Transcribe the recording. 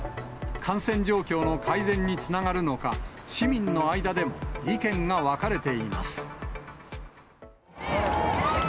感染状況の改善につながるのか、市民の間でも意見が分かれています。